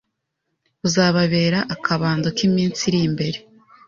buzababera akabando k’iminsi irimbere